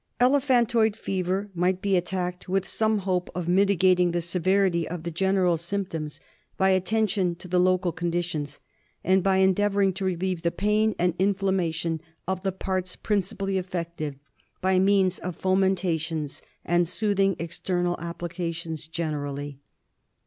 Elephantoid Fever might be attacked with some hope of mitigating the severity of the general symptoms by attention to the local conditions; and by endeavouring to relieve the pain and inflammation of the parts princi pally affected, by means of fomentations and soothing external applications generally.